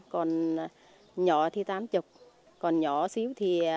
còn nhỏ xíu thì họ khách mang thì cái nhỏ dễ nhất thì năm mươi ạ